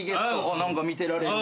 何か見てられる。